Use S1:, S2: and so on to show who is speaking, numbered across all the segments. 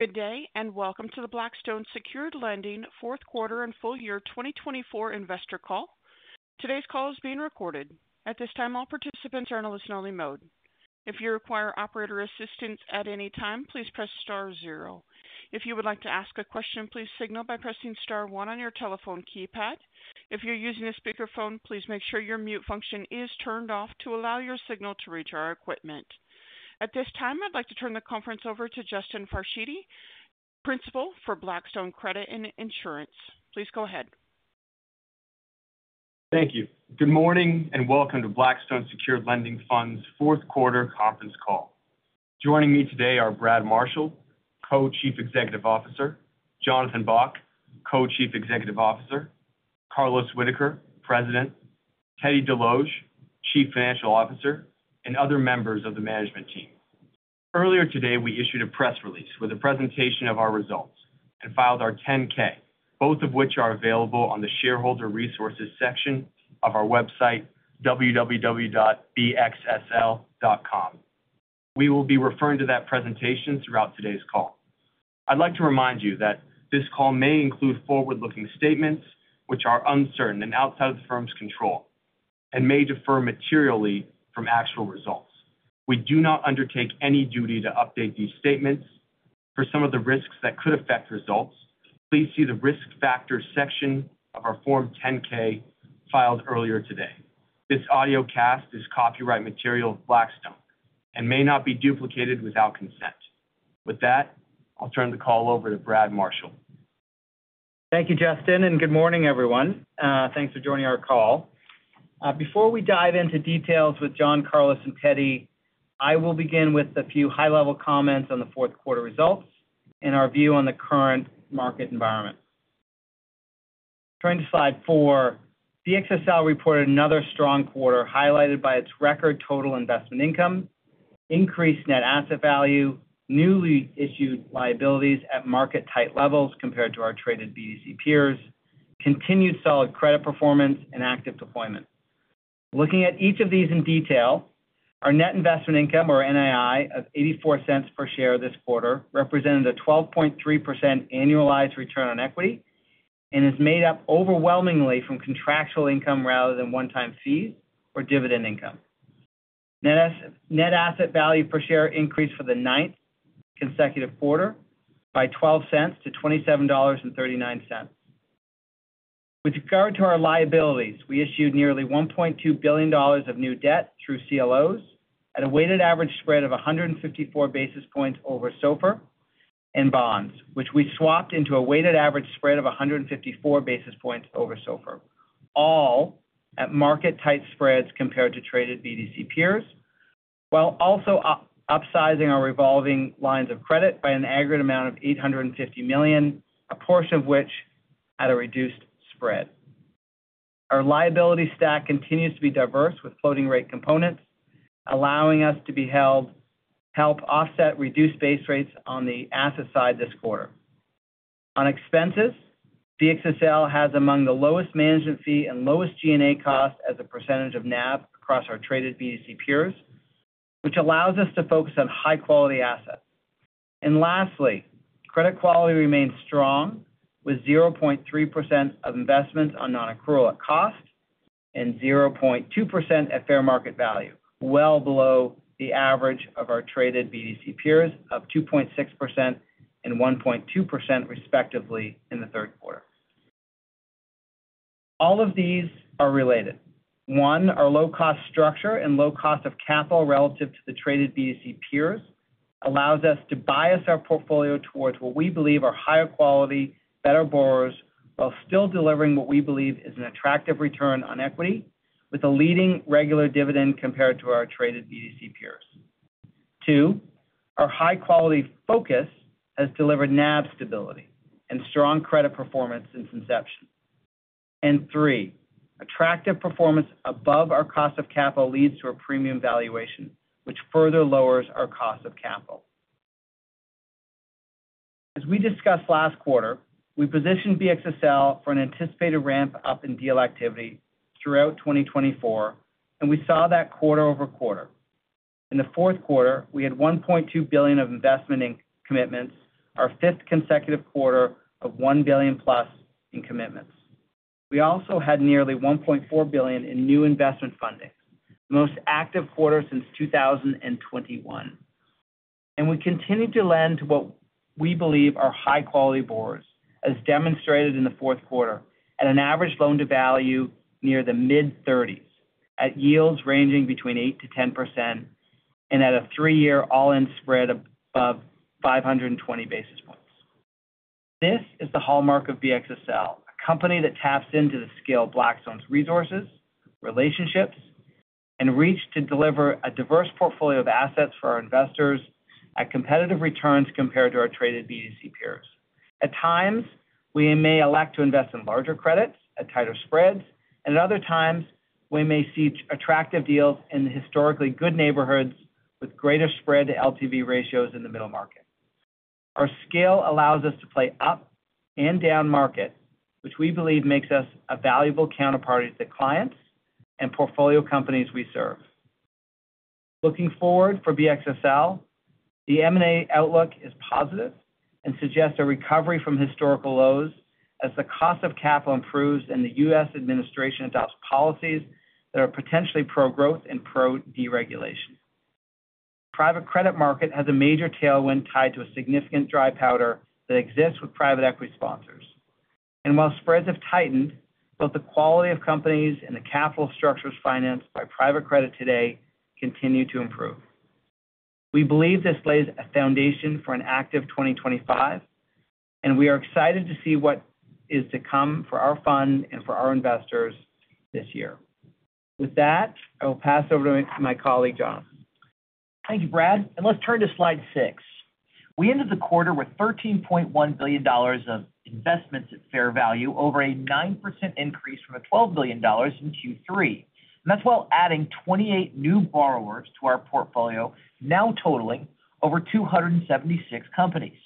S1: Good day and welcome to the Blackstone Secured Lending fourth quarter and full year 2024 investor call. Today's call is being recorded. At this time, all participants are in a listen-only mode. If you require operator assistance at any time, please press star zero. If you would like to ask a question, please signal by pressing star one on your telephone keypad. If you're using a speakerphone, please make sure your mute function is turned off to allow your signal to reach our equipment. At this time, I'd like to turn the conference over to Justin Farshidi, Principal for Blackstone Credit and Insurance. Please go ahead.
S2: Thank you. Good morning and welcome to Blackstone Secured Lending Fund's fourth quarter conference call. Joining me today are Brad Marshall, Co-Chief Executive Officer, Jonathan Bock, Co-Chief Executive Officer, Carlos Whitaker, President, Teddy Desloge, Chief Financial Officer, and other members of the management team. Earlier today, we issued a press release with a presentation of our results and filed our 10-K, both of which are available on the Shareholder Resources section of our website, www.bxsl.com. We will be referring to that presentation throughout today's call. I'd like to remind you that this call may include forward-looking statements, which are uncertain and outside of the firm's control, and may differ materially from actual results. We do not undertake any duty to update these statements. For some of the risks that could affect results, please see the Risk Factors section of our Form 10-K filed earlier today. This audio cast is copyright material of Blackstone and may not be duplicated without consent. With that, I'll turn the call over to Brad Marshall.
S3: Thank you, Justin, and good morning, everyone. Thanks for joining our call. Before we dive into details with John, Carlos, and Teddy, I will begin with a few high-level comments on the fourth quarter results and our view on the current market environment. Turning to slide four, BXSL reported another strong quarter highlighted by its record total investment income, increased net asset value, newly issued liabilities at market-tight levels compared to our traded BDC peers, continued solid credit performance, and active deployment. Looking at each of these in detail, our net investment income, or NII, of $0.84 per share this quarter represented a 12.3% annualized return on equity and is made up overwhelmingly from contractual income rather than one-time fees or dividend income. Net asset value per share increased for the ninth consecutive quarter by $0.12 to $27.39. With regard to our liabilities, we issued nearly $1.2 billion of new debt through CLOs at a weighted average spread of 154 basis points over SOFR and bonds, which we swapped into a weighted average spread of 154 basis points over SOFR, all at market-tight spreads compared to traded BDC peers, while also upsizing our revolving lines of credit by an aggregate amount of $850 million, a portion of which at a reduced spread. Our liability stack continues to be diverse with floating-rate components, allowing us to help offset reduced base rates on the asset side this quarter. On expenses, BXSL has among the lowest management fee and lowest G&A cost as a percentage of NAV across our traded BDC peers, which allows us to focus on high-quality assets. Lastly, credit quality remains strong with 0.3% of investment on non-accrual at cost and 0.2% at fair market value, well below the average of our traded BDC peers of 2.6% and 1.2%, respectively, in the third quarter. All of these are related. One, our low-cost structure and low cost of capital relative to the traded BDC peers allows us to bias our portfolio towards what we believe are higher quality, better borrowers while still delivering what we believe is an attractive return on equity with a leading regular dividend compared to our traded BDC peers. Two, our high-quality focus has delivered NAV stability and strong credit performance since inception. And three, attractive performance above our cost of capital leads to a premium valuation, which further lowers our cost of capital. As we discussed last quarter, we positioned BXSL for an anticipated ramp up in deal activity throughout 2024, and we saw that quarter-over-quarter. In the fourth quarter, we had $1.2 billion of investment in commitments, our fifth consecutive quarter of $1 billion plus in commitments. We also had nearly $1.4 billion in new investment funding, the most active quarter since 2021. And we continue to lend to what we believe are high-quality borrowers, as demonstrated in the fourth quarter, at an average loan-to-value near the mid-30s, at yields ranging between 8%-10%, and at a three-year all-in spread above 520 basis points. This is the hallmark of BXSL, a company that taps into the skill of Blackstone's resources, relationships, and reach to deliver a diverse portfolio of assets for our investors at competitive returns compared to our traded BDC peers. At times, we may elect to invest in larger credits at tighter spreads, and at other times, we may seek attractive deals in historically good neighborhoods with greater spread-to-LTV ratios in the middle market. Our scale allows us to play up and down market, which we believe makes us a valuable counterparty to the clients and portfolio companies we serve. Looking forward for BXSL, the M&A outlook is positive and suggests a recovery from historical lows as the cost of capital improves and the U.S. administration adopts policies that are potentially pro-growth and pro-deregulation. Private credit market has a major tailwind tied to a significant dry powder that exists with private equity sponsors, and while spreads have tightened, both the quality of companies and the capital structures financed by private credit today continue to improve. We believe this lays a foundation for an active 2025, and we are excited to see what is to come for our fund and for our investors this year. With that, I will pass over to my colleague, Jonathan.
S4: Thank you, Brad. And let's turn to slide six. We ended the quarter with $13.1 billion of investments at fair value, over a 9% increase from $12 billion in Q3. And that's while adding 28 new borrowers to our portfolio, now totaling over 276 companies.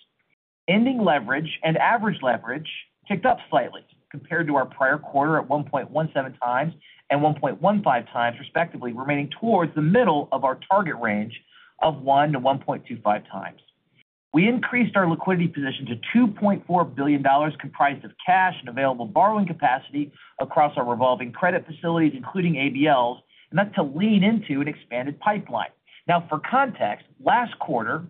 S4: Ending leverage and average leverage kicked up slightly compared to our prior quarter at 1.17x and 1.15x, respectively, remaining towards the middle of our target range of 1 to 1.25x. We increased our liquidity position to $2.4 billion, comprised of cash and available borrowing capacity across our revolving credit facilities, including ABLs, and that to lean into an expanded pipeline. Now, for context, last quarter,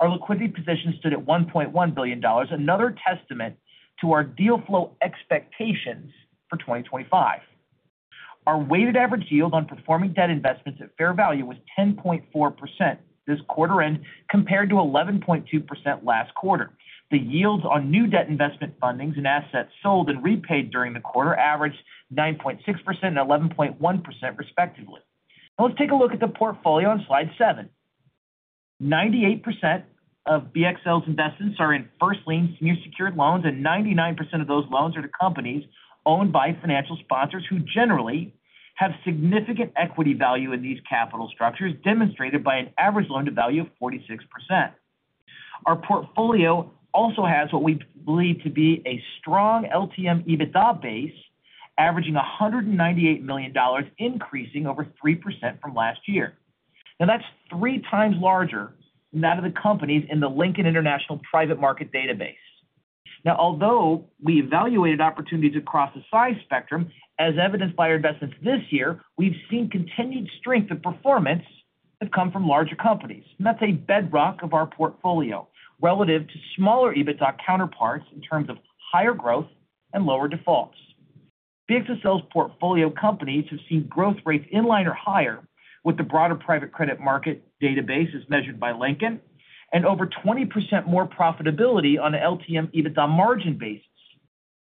S4: our liquidity position stood at $1.1 billion, another testament to our deal flow expectations for 2025. Our weighted average yield on performing debt investments at fair value was 10.4% this quarter-end compared to 11.2% last quarter. The yields on new debt investment fundings and assets sold and repaid during the quarter averaged 9.6% and 11.1%, respectively. Now, let's take a look at the portfolio on slide seven. 98% of BXSL's investments are in first-lien, senior-secured loans, and 99% of those loans are to companies owned by financial sponsors who generally have significant equity value in these capital structures, demonstrated by an average loan-to-value of 46%. Our portfolio also has what we believe to be a strong LTM EBITDA base, averaging $198 million, increasing over 3% from last year. Now, that's three times larger than that of the companies in the Lincoln International Private Market Database. Now, although we evaluated opportunities across the size spectrum, as evidenced by our investments this year, we've seen continued strength and performance that come from larger companies. And that's a bedrock of our portfolio relative to smaller EBITDA counterparts in terms of higher growth and lower defaults. BXSL's portfolio companies have seen growth rates in line or higher with the broader private credit market databases measured by Lincoln, and over 20% more profitability on an LTM EBITDA margin basis.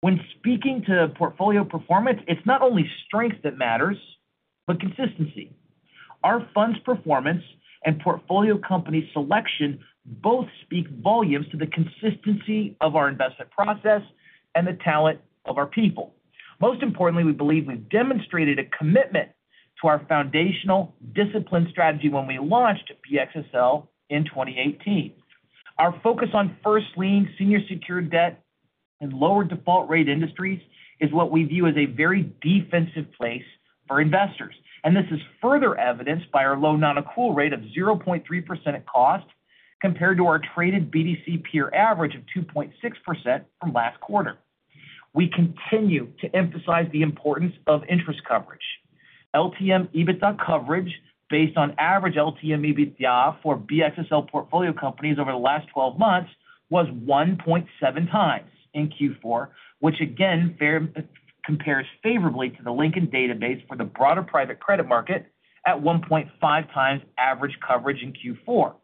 S4: When speaking to portfolio performance, it's not only strength that matters, but consistency. Our fund's performance and portfolio company selection both speak volumes to the consistency of our investment process and the talent of our people. Most importantly, we believe we've demonstrated a commitment to our foundational discipline strategy when we launched BXSL in 2018. Our focus on first-lien, senior-secured debt, and lower default rate industries is what we view as a very defensive place for investors. And this is further evidenced by our low non-accrual rate of 0.3% at cost compared to our traded BDC peer average of 2.6% from last quarter. We continue to emphasize the importance of interest coverage. LTM EBITDA coverage based on average LTM EBITDA for BXSL portfolio companies over the last 12 months was 1.7x in Q4, which again compares favorably to the Lincoln database for the broader private credit market at 1.5x average coverage in Q4.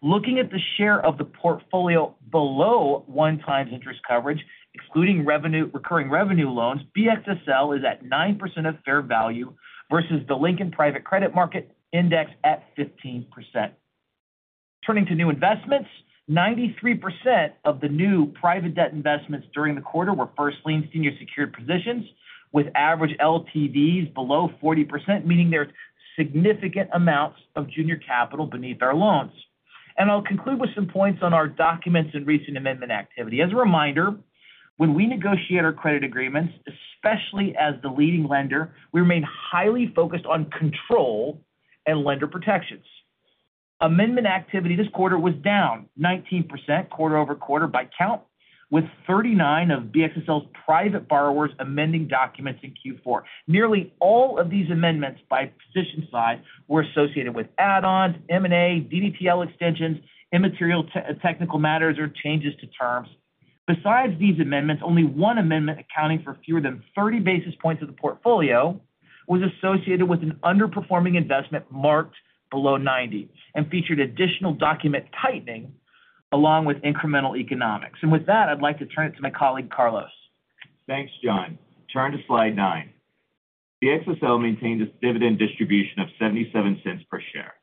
S4: Looking at the share of the portfolio below one times interest coverage, excluding recurring revenue loans, BXSL is at 9% of fair value versus the Lincoln Private Credit Market Index at 15%. Turning to new investments, 93% of the new private debt investments during the quarter were first-lien, senior-secured positions with average LTVs below 40%, meaning there's significant amounts of junior capital beneath our loans. I'll conclude with some points on our documents and recent amendment activity. As a reminder, when we negotiate our credit agreements, especially as the leading lender, we remain highly focused on control and lender protections. Amendment activity this quarter was down 19% quarter-over-quarter by count, with 39 of BXSL's private borrowers amending documents in Q4. Nearly all of these amendments by position side were associated with add-ons, M&A, DDTL extensions, immaterial technical matters, or changes to terms. Besides these amendments, only one amendment accounting for fewer than 30 basis points of the portfolio was associated with an underperforming investment marked below 90 and featured additional document tightening along with incremental economics. With that, I'd like to turn it to my colleague, Carlos.
S5: Thanks, John. Turn to slide nine. BXSL maintained its dividend distribution of $0.77 per share.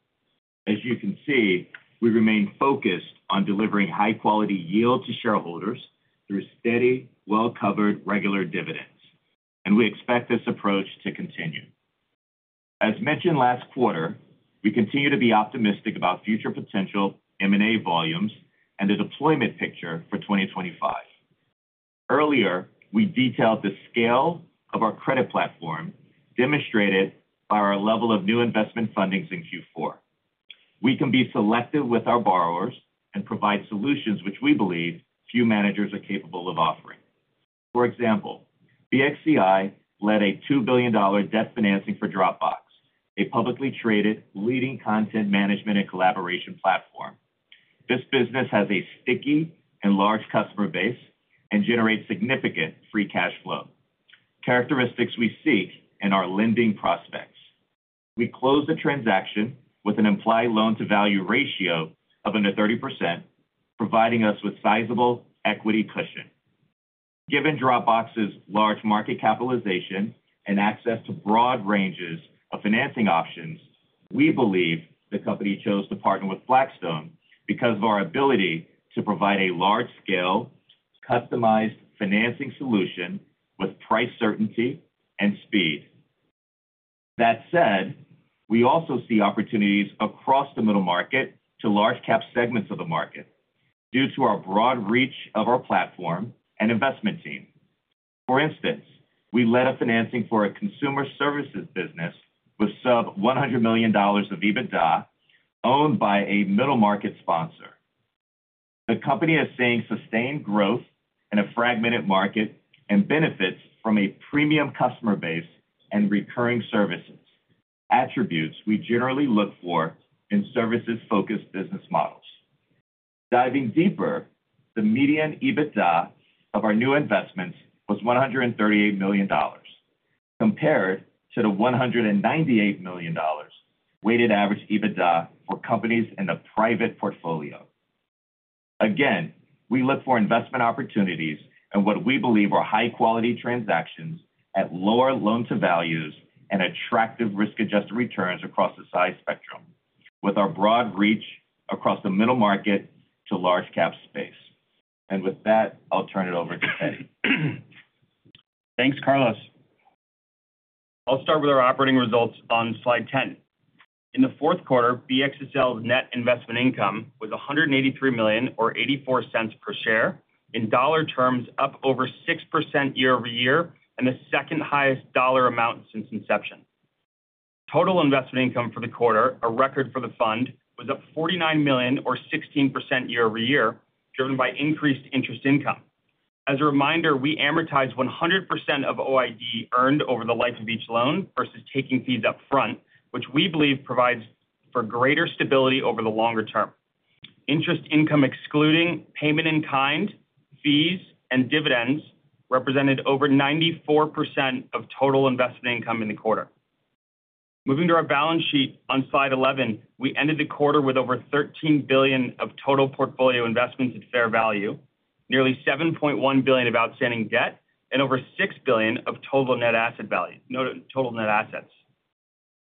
S5: As you can see, we remain focused on delivering high-quality yield to shareholders through steady, well-covered regular dividends, and we expect this approach to continue. As mentioned last quarter, we continue to be optimistic about future potential M&A volumes and the deployment picture for 2025. Earlier, we detailed the scale of our credit platform demonstrated by our level of new investment fundings in Q4. We can be selective with our borrowers and provide solutions which we believe few managers are capable of offering. For example, BXCI led a $2 billion debt financing for Dropbox, a publicly traded leading content management and collaboration platform. This business has a sticky and large customer base and generates significant free cash flow, characteristics we seek in our lending prospects. We close the transaction with an implied loan-to-value ratio of under 30%, providing us with sizable equity cushion. Given Dropbox's large market capitalization and access to broad ranges of financing options, we believe the company chose to partner with Blackstone because of our ability to provide a large-scale, customized financing solution with price certainty and speed. That said, we also see opportunities across the middle market to large-cap segments of the market due to our broad reach of our platform and investment team. For instance, we led a financing for a consumer services business with sub-$100 million of EBITDA owned by a middle market sponsor. The company is seeing sustained growth in a fragmented market and benefits from a premium customer base and recurring services, attributes we generally look for in services-focused business models. Diving deeper, the median EBITDA of our new investments was $138 million, compared to the $198 million weighted average EBITDA for companies in the private portfolio. Again, we look for investment opportunities and what we believe are high-quality transactions at lower loan-to-values and attractive risk-adjusted returns across the size spectrum, with our broad reach across the middle market to large-cap space. And with that, I'll turn it over to Teddy.
S6: Thanks, Carlos. I'll start with our operating results on slide 10. In the fourth quarter, BXSL's net investment income was $183 million, or $0.84 per share, in dollar terms, up over 6% year-over-year and the second highest dollar amount since inception. Total investment income for the quarter, a record for the fund, was at $49 million, or 16% year-over-year, driven by increased interest income. As a reminder, we amortized 100% of OID earned over the life of each loan versus taking fees upfront, which we believe provides for greater stability over the longer term. Interest income excluding payment in kind, fees, and dividends represented over 94% of total investment income in the quarter. Moving to our balance sheet on slide 11, we ended the quarter with over $13 billion of total portfolio investments at fair value, nearly $7.1 billion of outstanding debt, and over $6 billion of total net asset value.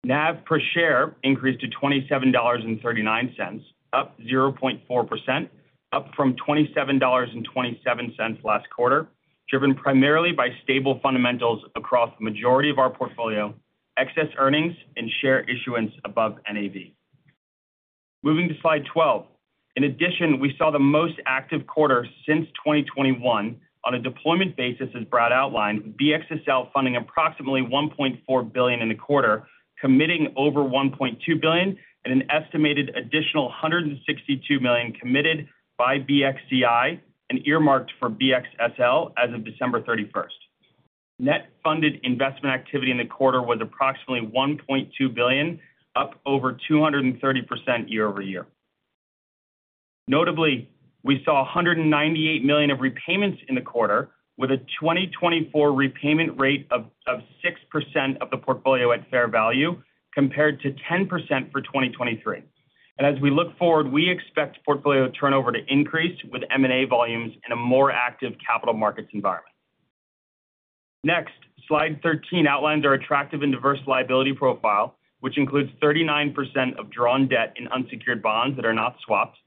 S6: NAV per share increased to $27.39, up 0.4%, up from $27.27 last quarter, driven primarily by stable fundamentals across the majority of our portfolio, excess earnings, and share issuance above NAV. Moving to slide 12, in addition, we saw the most active quarter since 2021 on a deployment basis, as Brad outlined, with BXSL funding approximately $1.4 billion in the quarter, committing over $1.2 billion, and an estimated additional $162 million committed by BXCI and earmarked for BXSL as of December 31st. Net funded investment activity in the quarter was approximately $1.2 billion, up over 230% year-over-year. Notably, we saw $198 million of repayments in the quarter, with a 2024 repayment rate of 6% of the portfolio at fair value compared to 10% for 2023, and as we look forward, we expect portfolio turnover to increase with M&A volumes in a more active capital markets environment. Next, slide 13 outlines our attractive and diverse liability profile, which includes 39% of drawn debt in unsecured bonds that are not swapped.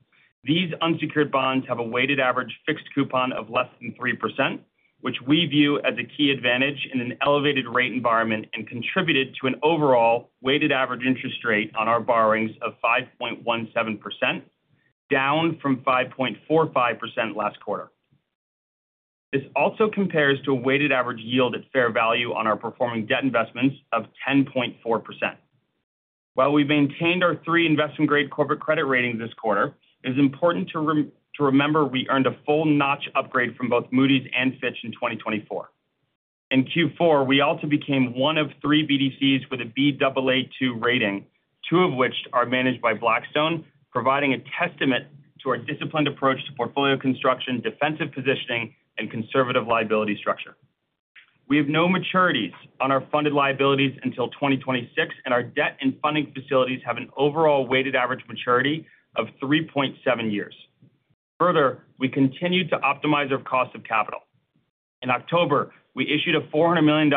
S6: These unsecured bonds have a weighted average fixed coupon of less than 3%, which we view as a key advantage in an elevated rate environment and contributed to an overall weighted average interest rate on our borrowings of 5.17%, down from 5.45% last quarter. This also compares to a weighted average yield at fair value on our performing debt investments of 10.4%. While we maintained our three investment-grade corporate credit ratings this quarter, it is important to remember we earned a full-notch upgrade from both Moody's and Fitch in 2024. In Q4, we also became one of three BDCs with a Baa2 rating, two of which are managed by Blackstone, providing a testament to our disciplined approach to portfolio construction, defensive positioning, and conservative liability structure. We have no maturities on our funded liabilities until 2026, and our debt and funding facilities have an overall weighted average maturity of 3.7 years. Further, we continued to optimize our cost of capital. In October, we issued a $400 million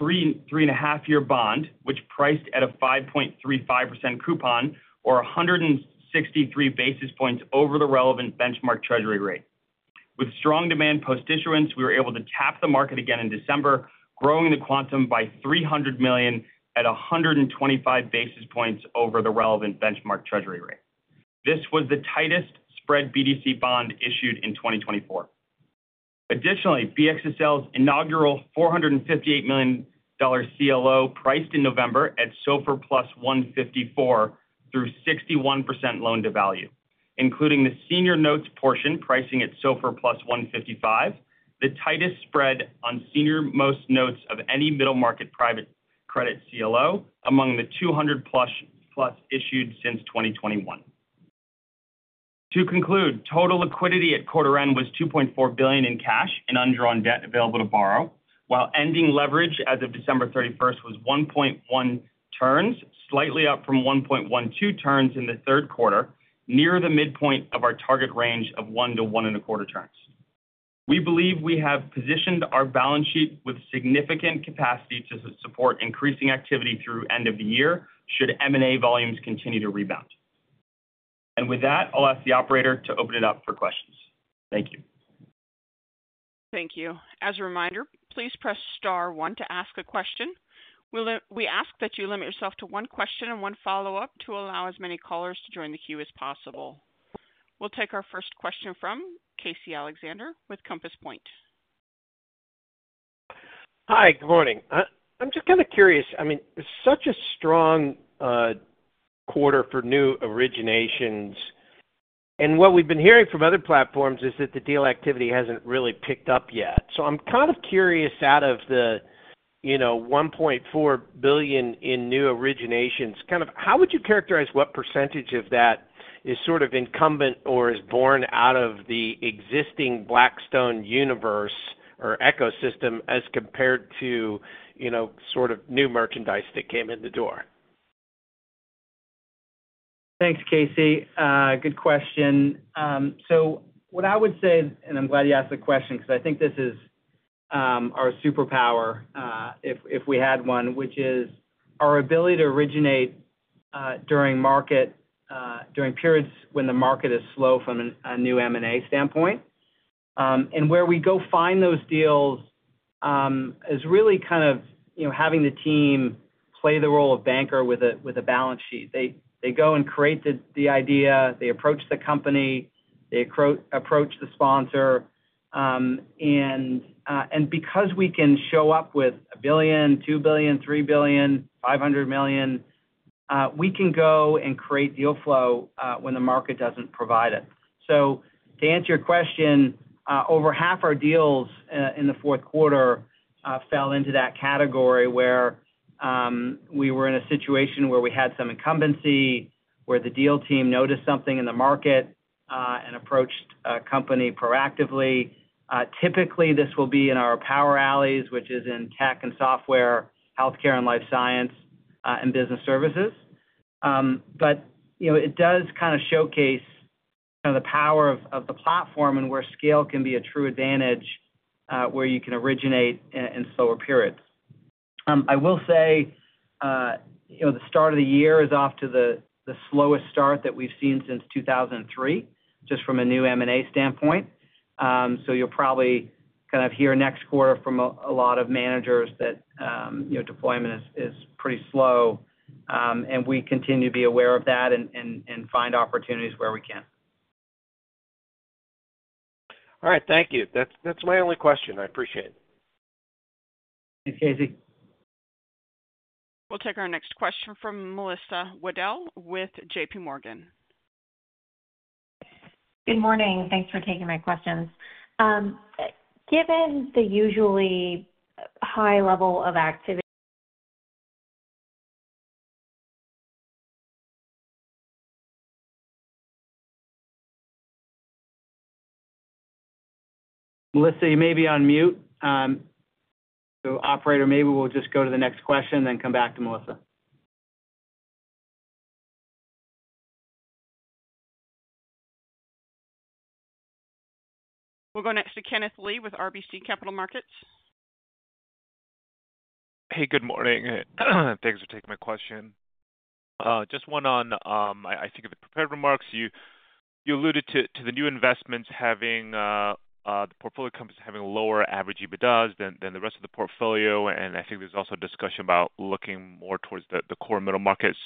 S6: 3.5-year bond, which priced at a 5.35% coupon, or 163 basis points over the relevant benchmark treasury rate. With strong demand post-issuance, we were able to tap the market again in December, growing the quantum by $300 million at 125 basis points over the relevant benchmark treasury rate. This was the tightest spread BDC bond issued in 2024. Additionally, BXSL's inaugural $458 million CLO priced in November at SOFR Plus 154 through 61% loan-to-value, including the senior notes portion pricing at SOFR Plus 155, the tightest spread on senior most notes of any middle market private credit CLO among the 200-plus issued since 2021. To conclude, total liquidity at quarter end was $2.4 billion in cash and undrawn debt available to borrow, while ending leverage as of December 31st was 1.1 turns, slightly up from 1.12 turns in the third quarter, near the midpoint of our target range of one to one and a quarter turns. We believe we have positioned our balance sheet with significant capacity to support increasing activity through the end of the year should M&A volumes continue to rebound. And with that, I'll ask the operator to open it up for questions. Thank you.
S1: Thank you. As a reminder, please press star one to ask a question. We ask that you limit yourself to one question and one follow-up to allow as many callers to join the queue as possible. We'll take our first question from Casey Alexander with Compass Point.
S7: Hi, good morning. I'm just kind of curious. I mean, it's such a strong quarter for new originations, and what we've been hearing from other platforms is that the deal activity hasn't really picked up yet, so I'm kind of curious out of the, you know, $1.4 billion in new originations, kind of how would you characterize what percentage of that is sort of incumbent or is born out of the existing Blackstone universe or ecosystem as compared to, you know, sort of new merchandise that came in the door?
S3: Thanks, Casey. Good question. So what I would say, and I'm glad you asked the question because I think this is our superpower, if we had one, which is our ability to originate during market, during periods when the market is slow from a new M&A standpoint. And where we go find those deals is really kind of, you know, having the team play the role of banker with a balance sheet. They go and create the idea, they approach the company, they approach the sponsor. And because we can show up with $1 billion, $2 billion, $3 billion, $500 million, we can go and create deal flow when the market doesn't provide it. So to answer your question, over half our deals in the fourth quarter fell into that category where we were in a situation where we had some incumbency, where the deal team noticed something in the market and approached a company proactively. Typically, this will be in our power alleys, which is in tech and software, healthcare and life science, and business services. But, you know, it does kind of showcase kind of the power of the platform and where scale can be a true advantage where you can originate in slower periods. I will say, you know, the start of the year is off to the slowest start that we've seen since 2003, just from a new M&A standpoint. So you'll probably kind of hear next quarter from a lot of managers that, you know, deployment is pretty slow. We continue to be aware of that and find opportunities where we can.
S8: All right. Thank you. That's my only question. I appreciate it.
S3: Thanks, Casey.
S1: We'll take our next question from Melissa Wedel with JPMorgan.
S9: Good morning. Thanks for taking my questions. Given the usually high level of activity.
S3: Melissa, you may be on mute. Operator, maybe we'll just go to the next question and then come back to Melissa.
S1: We'll go next to Kenneth Lee with RBC Capital Markets.
S10: Hey, good morning. Thanks for taking my question. Just one on, I think, of the prepared remarks. You alluded to the new investments having the portfolio companies having lower average EBITDAs than the rest of the portfolio. And I think there's also a discussion about looking more towards the core middle markets.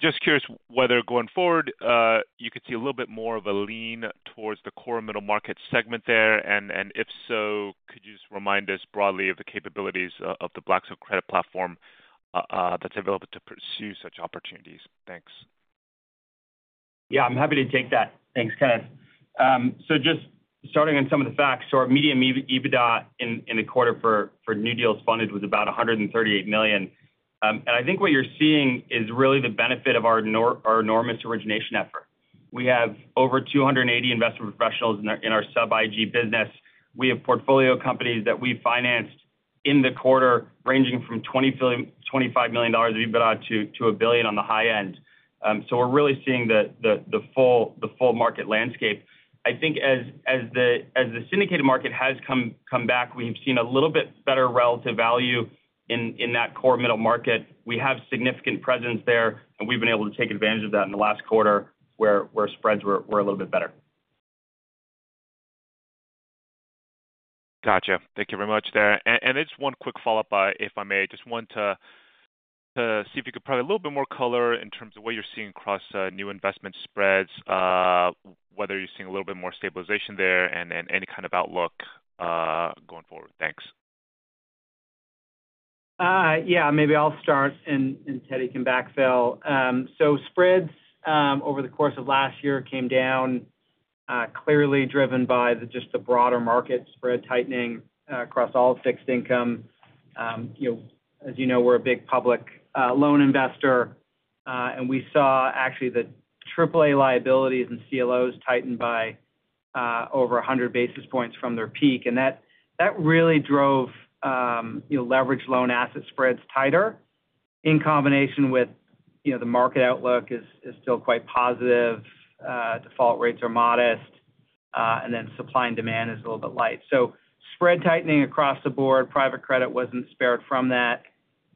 S10: Just curious whether going forward you could see a little bit more of a lean towards the core middle market segment there. And if so, could you just remind us broadly of the capabilities of the Blackstone Credit Platform that's available to pursue such opportunities? Thanks.
S6: Yeah, I'm happy to take that. Thanks, Kenneth. So just starting on some of the facts, our median EBITDA in the quarter for new deals funded was about $138 million. And I think what you're seeing is really the benefit of our enormous origination effort. We have over 280 investment professionals in our sub-IG business. We have portfolio companies that we financed in the quarter ranging from $25 million of EBITDA to $1 billion on the high end. So we're really seeing the full market landscape. I think as the syndicated market has come back, we've seen a little bit better relative value in that core middle market. We have significant presence there, and we've been able to take advantage of that in the last quarter where spreads were a little bit better.
S10: Gotcha. Thank you very much there. And just one quick follow-up, if I may, just want to see if you could provide a little bit more color in terms of what you're seeing across new investment spreads, whether you're seeing a little bit more stabilization there and any kind of outlook going forward. Thanks.
S3: Yeah, maybe I'll start and Teddy can backfill. So spreads over the course of last year came down clearly driven by just the broader market spread tightening across all fixed income. You know, as you know, we're a big public loan investor, and we saw actually the AAA liabilities and CLOs tightened by over 100 basis points from their peak. And that really drove leveraged loan asset spreads tighter in combination with the market outlook is still quite positive. Default rates are modest, and then supply and demand is a little bit light. So spread tightening across the board, private credit wasn't spared from that.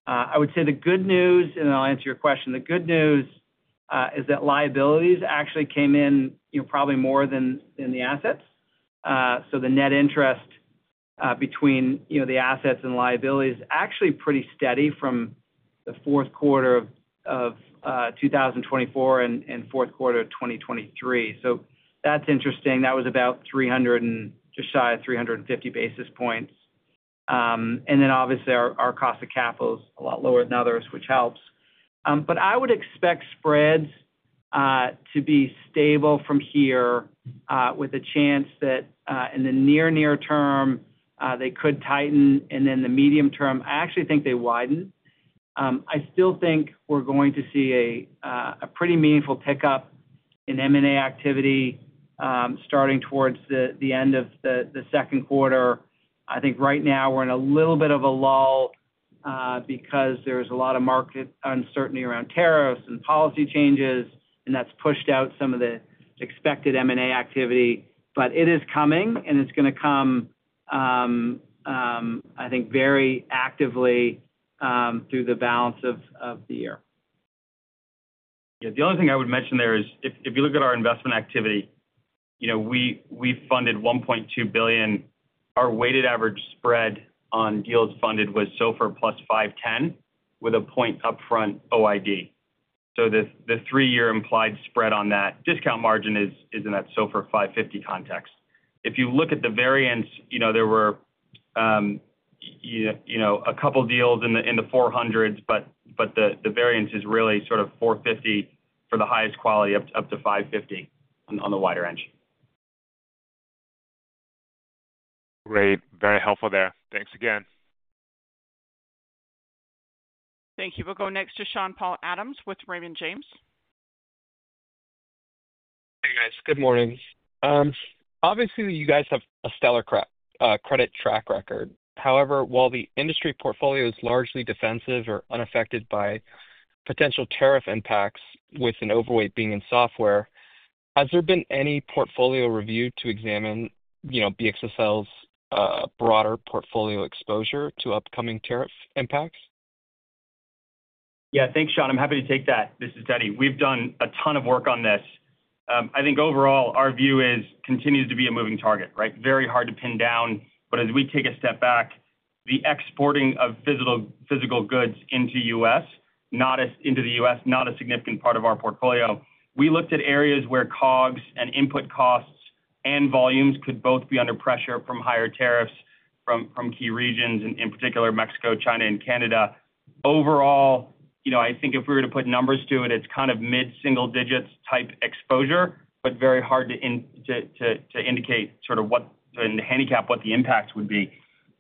S3: I would say the good news, and I'll answer your question, the good news is that liabilities actually came in probably more than the assets. The net interest between the assets and liabilities is actually pretty steady from the fourth quarter of 2024 and fourth quarter of 2023. That's interesting. That was about 300 and just shy of 350 basis points. Then obviously our cost of capital is a lot lower than others, which helps. I would expect spreads to be stable from here with a chance that in the near term they could tighten, and then the medium term, I actually think they widened. I still think we're going to see a pretty meaningful pickup in M&A activity starting towards the end of the second quarter. I think right now we're in a little bit of a lull because there's a lot of market uncertainty around tariffs and policy changes, and that's pushed out some of the expected M&A activity. But it is coming, and it's going to come, I think, very actively through the balance of the year.
S6: Yeah, the other thing I would mention there is if you look at our investment activity, you know, we funded $1.2 billion. Our weighted average spread on deals funded was SOFR Plus 510 with a point upfront OID. So the three-year implied spread on that discount margin is in that SOFR 550 context. If you look at the variance, you know, there were, you know, a couple of deals in the 400s, but the variance is really sort of 450 for the highest quality up to 550 on the wider end.
S10: Great. Very helpful there. Thanks again.
S1: Thank you. We'll go next to Sean-Paul Adams with Raymond James.
S11: Hey, guys. Good morning. Obviously, you guys have a stellar credit track record. However, while the industry portfolio is largely defensive or unaffected by potential tariff impacts with an overweight being in software, has there been any portfolio review to examine, you know, BXSL's broader portfolio exposure to upcoming tariff impacts?
S6: Yeah, thanks, Sean. I'm happy to take that. This is Teddy. We've done a ton of work on this. I think overall our view continues to be a moving target, right? Very hard to pin down. But as we take a step back, the exporting of physical goods into the U.S. is not a significant part of our portfolio. We looked at areas where COGS and input costs and volumes could both be under pressure from higher tariffs from key regions, in particular Mexico, China, and Canada. Overall, you know, I think if we were to put numbers to it, it's kind of mid-single digits type exposure, but very hard to indicate sort of what the handicap, what the impact would be.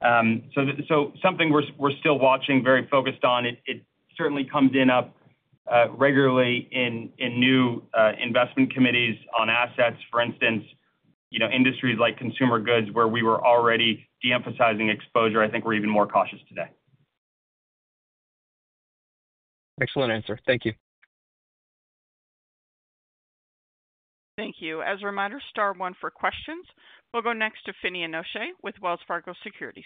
S6: So something we're still watching, very focused on. It certainly comes up regularly in new investment committees on assets. For instance, you know, industries like consumer goods where we were already de-emphasizing exposure, I think we're even more cautious today.
S11: Excellent answer. Thank you.
S1: Thank you. As a reminder, star one for questions. We'll go next to Finian O'Shea with Wells Fargo Securities.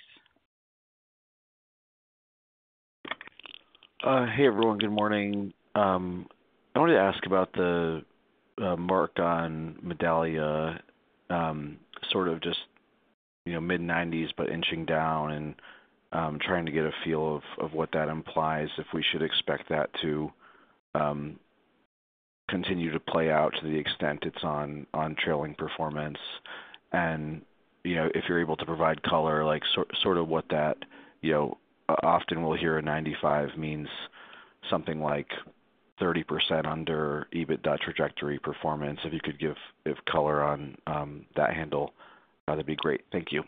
S12: Hey, everyone. Good morning. I wanted to ask about the mark on Medallia, sort of just, you know, mid-90s, but inching down and trying to get a feel of what that implies, if we should expect that to continue to play out to the extent it's on trailing performance. And, you know, if you're able to provide color, like sort of what that, you know, often we'll hear a 95 means something like 30% under EBITDA trajectory performance. If you could give color on that handle, that'd be great. Thank you.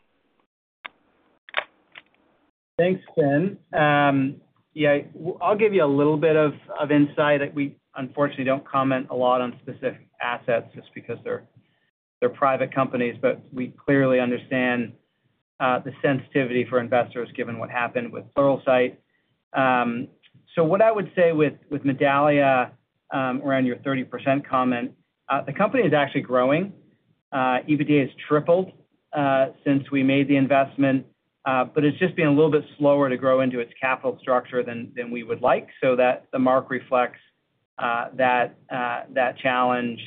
S3: Thanks, Finn. Yeah, I'll give you a little bit of insight. We unfortunately don't comment a lot on specific assets just because they're private companies, but we clearly understand the sensitivity for investors given what happened with Pluralsight. So what I would say with Medallia, around your 30% comment, the company is actually growing. EBITDA has tripled since we made the investment, but it's just been a little bit slower to grow into its capital structure than we would like. So that the mark reflects that challenge.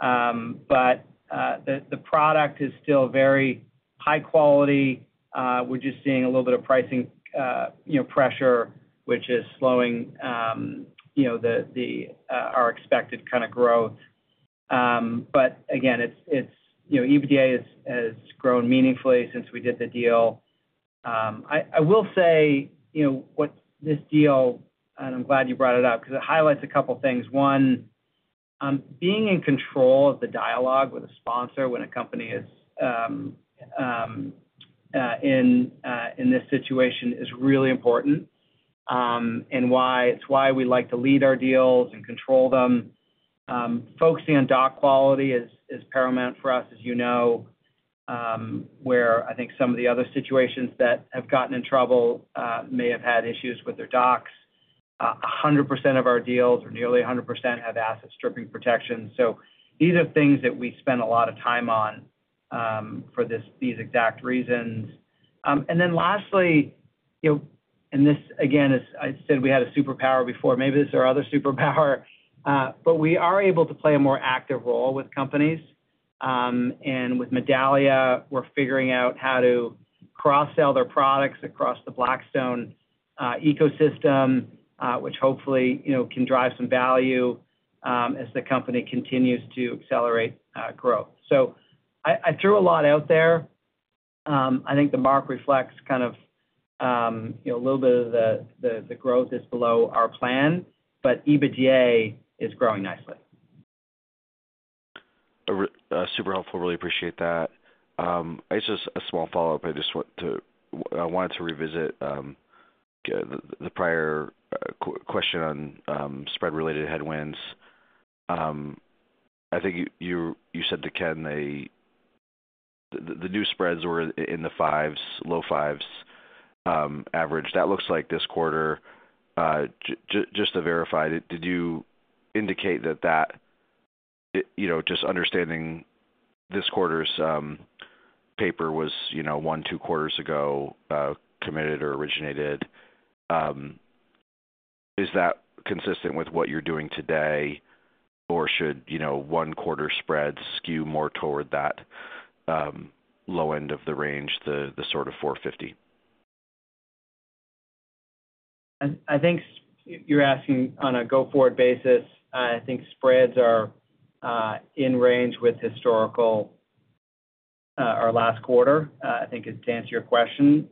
S3: But the product is still very high quality. We're just seeing a little bit of pricing pressure, which is slowing, you know, our expected kind of growth. But again, it's, you know, EBITDA has grown meaningfully since we did the deal. I will say, you know, what this deal, and I'm glad you brought it up because it highlights a couple of things. One, being in control of the dialogue with a sponsor when a company is in this situation is really important, and why it's why we like to lead our deals and control them. Focusing on doc quality is paramount for us, as you know, where I think some of the other situations that have gotten in trouble may have had issues with their docs. 100% of our deals or nearly 100% have asset stripping protection, so these are things that we spend a lot of time on for these exact reasons, and then lastly, you know, and this again is, I said we had a superpower before. Maybe this is our other superpower, but we are able to play a more active role with companies. And with Medallia, we're figuring out how to cross-sell their products across the Blackstone ecosystem, which hopefully, you know, can drive some value as the company continues to accelerate growth. So I threw a lot out there. I think the market reflects kind of, you know, a little bit of the growth is below our plan, but EBITDA is growing nicely.
S12: Super helpful. Really appreciate that. I guess a small follow-up. I just want to, I wanted to revisit the prior question on spread-related headwinds. I think you said to Ken, the new spreads were in the fives, low fives average. That looks like this quarter. Just to verify, did you indicate that, you know, just understanding this quarter's paper was, you know, one, two quarters ago committed or originated? Is that consistent with what you're doing today? Or should, you know, one quarter spreads skew more toward that low end of the range, the sort of 450?
S3: I think you're asking on a go-forward basis. I think spreads are in range with historical our last quarter, I think, to answer your question.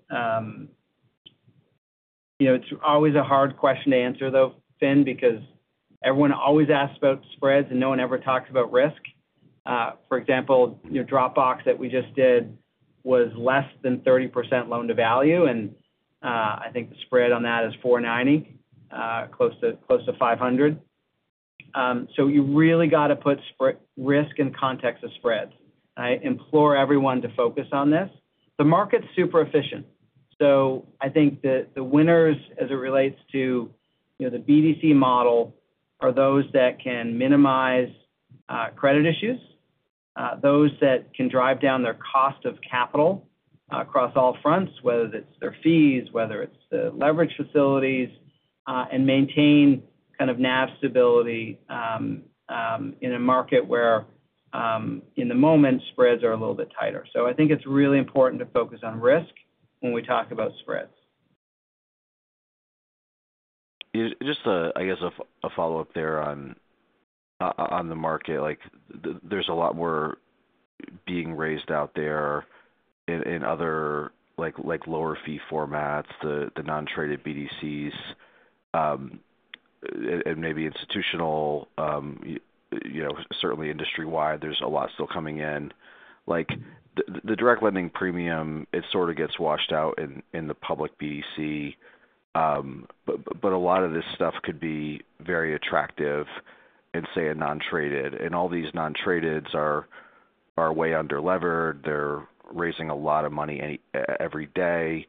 S3: You know, it's always a hard question to answer, though, Finn, because everyone always asks about spreads and no one ever talks about risk. For example, you know, Dropbox that we just did was less than 30% loan-to-value. And I think the spread on that is 490, close to 500. So you really got to put risk in context of spreads. I implore everyone to focus on this. The market's super efficient. So I think the winners as it relates to, you know, the BDC model are those that can minimize credit issues, those that can drive down their cost of capital across all fronts, whether it's their fees, whether it's the leverage facilities, and maintain kind of NAV stability in a market where in the moment spreads are a little bit tighter. So I think it's really important to focus on risk when we talk about spreads.
S12: Just, I guess, a follow-up there on the market. Like there's a lot more being raised out there in other, like lower fee formats, the non-traded BDCs and maybe institutional, you know, certainly industry-wide, there's a lot still coming in. Like the direct lending premium, it sort of gets washed out in the public BDC. But a lot of this stuff could be very attractive in, say, a non-traded. And all these non-tradeds are way under-levered. They're raising a lot of money every day.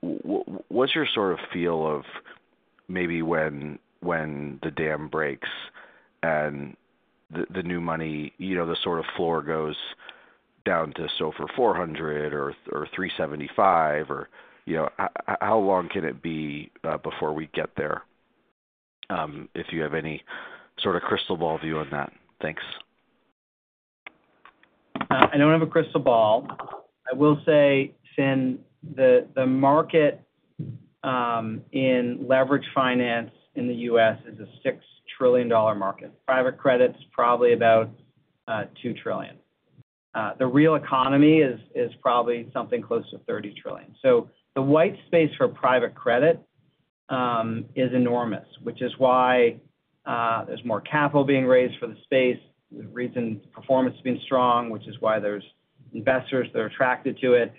S12: What's your sort of feel of maybe when the dam breaks and the new money, you know, the sort of floor goes down to SOFR 400 or 375, or, you know, how long can it be before we get there? If you have any sort of crystal ball view on that. Thanks.
S3: I don't have a crystal ball. I will say, Finn, the market in leverage finance in the U.S. is a $6 trillion market. Private credit's probably about $2 trillion. The real economy is probably something close to $30 trillion. So the white space for private credit is enormous, which is why there's more capital being raised for the space. The reason performance has been strong, which is why there's investors that are attracted to it.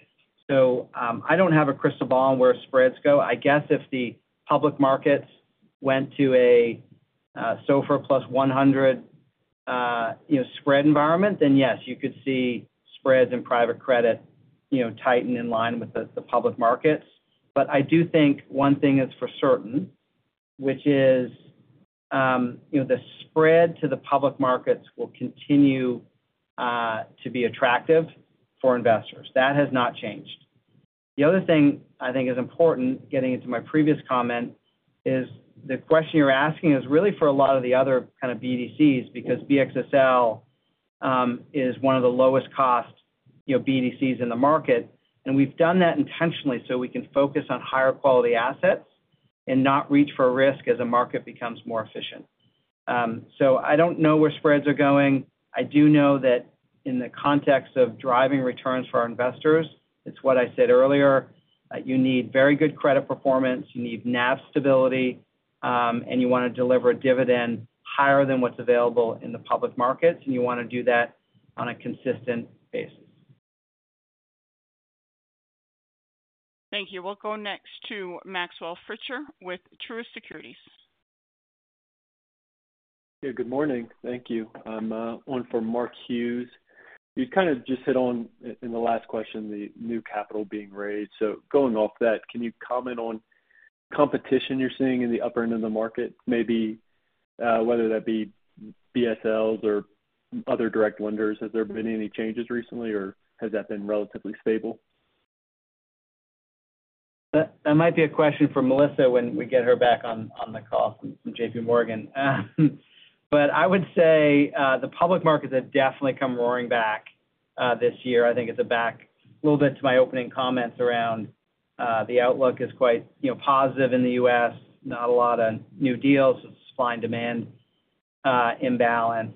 S3: So I don't have a crystal ball on where spreads go. I guess if the public markets went to a SOFR Plus 100, you know, spread environment, then yes, you could see spreads in private credit, you know, tighten in line with the public markets. But I do think one thing that's for certain, which is, you know, the spread to the public markets will continue to be attractive for investors. That has not changed. The other thing I think is important, getting into my previous comment, is the question you're asking is really for a lot of the other kind of BDCs because BXSL is one of the lowest cost, you know, BDCs in the market. And we've done that intentionally so we can focus on higher quality assets and not reach for risk as a market becomes more efficient. So I don't know where spreads are going. I do know that in the context of driving returns for our investors, it's what I said earlier, you need very good credit performance, you need NAV stability, and you want to deliver a dividend higher than what's available in the public markets, and you want to do that on a consistent basis.
S1: Thank you. We'll go next to Maxwell Fritscher with Truist Securities.
S13: Yeah, good morning. Thank you. I'm on for Mark Hughes. You kind of just hit on in the last question, the new capital being raised. So going off that, can you comment on competition you're seeing in the upper end of the market, maybe whether that be BSLs or other direct lenders? Have there been any changes recently, or has that been relatively stable?
S3: That might be a question for Melissa when we get her back on the call from JPMorgan. But I would say the public markets have definitely come roaring back this year. I think it's back a little bit to my opening comments around the outlook, is quite, you know, positive in the U.S., not a lot of new deals, it's supply and demand imbalance,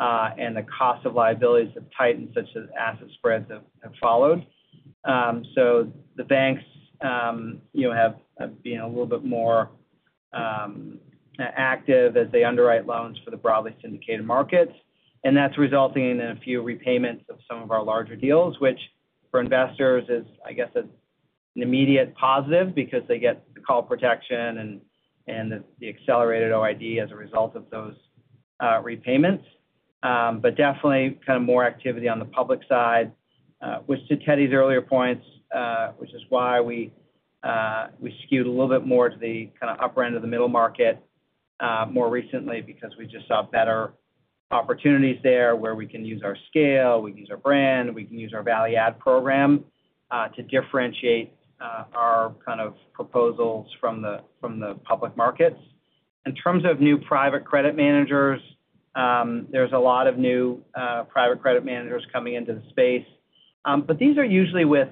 S3: and the cost of liabilities have tightened such that asset spreads have followed. So the banks, you know, have been a little bit more active as they underwrite loans for the broadly syndicated markets. And that's resulting in a few repayments of some of our larger deals, which for investors is, I guess, an immediate positive because they get the call protection and the accelerated OID as a result of those repayments. But definitely kind of more activity on the public side, which, to Teddy's earlier points, is why we skewed a little bit more to the kind of upper end of the middle market more recently because we just saw better opportunities there where we can use our scale, we can use our brand, we can use our value-add program to differentiate our kind of proposals from the public markets. In terms of new private credit managers, there's a lot of new private credit managers coming into the space. But these are usually with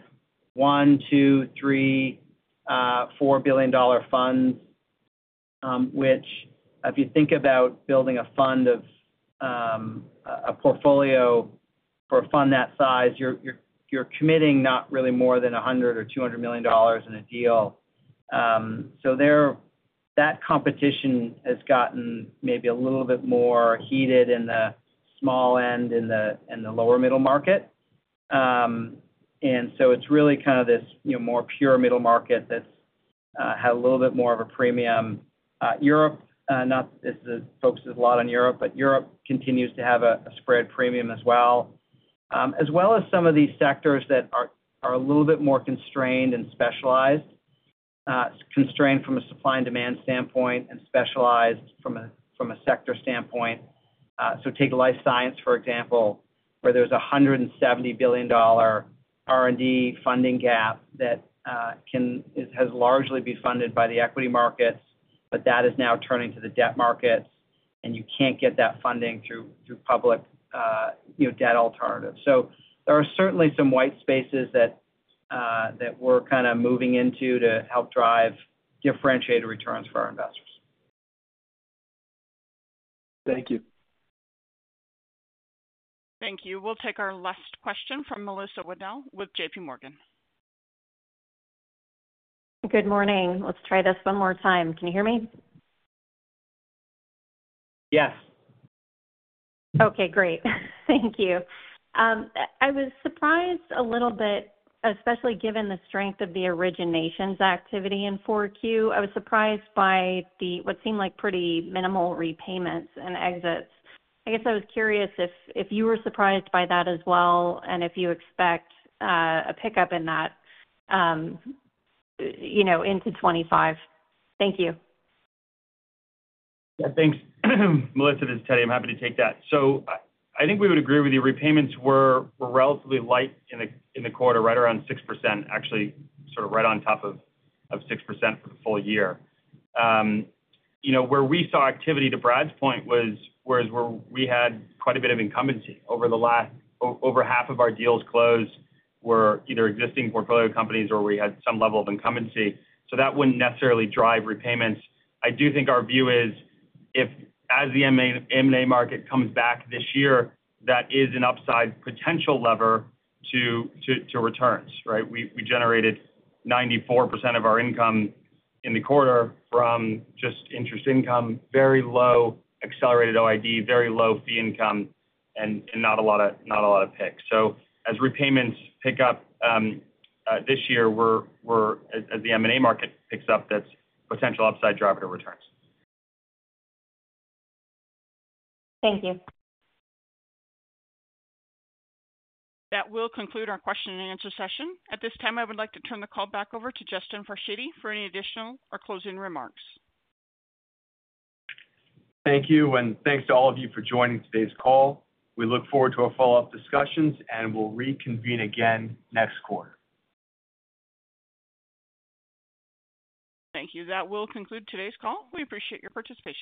S3: one, two, three, four billion-dollar funds, which if you think about building a fund of a portfolio for a fund that size, you're committing not really more than $100 or $200 million in a deal. So that competition has gotten maybe a little bit more heated in the small end and the lower middle market. It's really kind of this, you know, more pure middle market that's had a little bit more of a premium. Europe. Not that this focuses a lot on Europe, but Europe continues to have a spread premium as well, as well as some of these sectors that are a little bit more constrained and specialized, constrained from a supply and demand standpoint and specialized from a sector standpoint. So take life science, for example, where there's a $170 billion R&D funding gap that has largely been funded by the equity markets, but that is now turning to the debt market, and you can't get that funding through public, you know, debt alternatives. So there are certainly some white spaces that we're kind of moving into to help drive differentiated returns for our investors.
S13: Thank you.
S1: Thank you. We'll take our last question from Melissa Wedel with JPMorgan.
S9: Good morning. Let's try this one more time. Can you hear me?
S3: Yes.
S9: Okay, great. Thank you. I was surprised a little bit, especially given the strength of the originations activity in 4Q. I was surprised by the what seemed like pretty minimal repayments and exits. I guess I was curious if you were surprised by that as well and if you expect a pickup in that, you know, into 2025. Thank you.
S6: Thanks, Melissa, to Teddy. I'm happy to take that. So I think we would agree with you. Repayments were relatively light in the quarter, right around 6%, actually sort of right on top of 6% for the full year. You know, where we saw activity to Brad's point was whereas we had quite a bit of incumbency over the last over half of our deals closed were either existing portfolio companies or we had some level of incumbency. So that wouldn't necessarily drive repayments. I do think our view is if as the M&A market comes back this year, that is an upside potential lever to returns, right? We generated 94% of our income in the quarter from just interest income, very low accelerated OID, very low fee income, and not a lot of PIKs. So, as repayments pick up this year, as the M&A market picks up, that's potential upside driver to returns.
S9: Thank you.
S1: That will conclude our question and answer session. At this time, I would like to turn the call back over to Justin Farshidi for any additional or closing remarks.
S2: Thank you. And thanks to all of you for joining today's call. We look forward to our follow-up discussions and we'll reconvene again next quarter.
S1: Thank you. That will conclude today's call. We appreciate your participation.